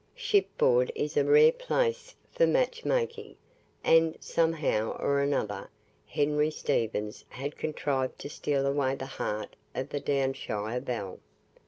Shipboard is a rare place for match making, and, somehow or another, Henry Stephens had contrived to steal away the heart of the 'Downshire' belle.